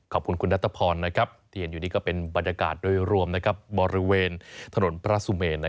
ขอบคุณคุณนัทพรที่เห็นอยู่นี่ก็เป็นบรรยากาศโดยรวมบริเวณถนนพระสุเมน